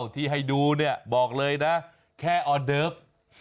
ที่ให้ดูเนี่ยบอกเลยนะแค่ออเดิร์ฟ